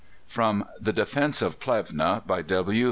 From "The Defence of Plevna," by W.